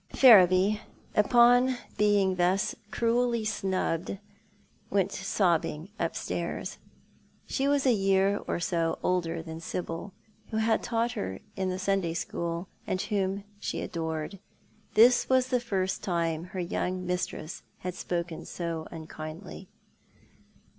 Ferriby, upon being thus cruelly snubbed, went sobbing upstairs. She was a year or so older than Sibyl, who had taught her in the Sunday School, and whom she adored. This was the first time her young mistress had spoken so unkindly.